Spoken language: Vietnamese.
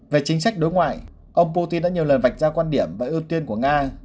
về chính sách đối ngoại ông putin đã nhiều lần vạch ra quan điểm và ưu tiên của nga